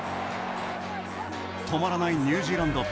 止まらないニュージーランド。